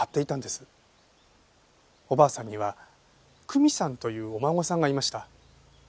おばあさんには久美さんというお孫さんがいました。